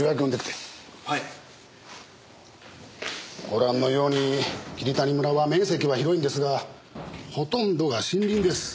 ご覧のように霧谷村は面積は広いんですがほとんどが森林です。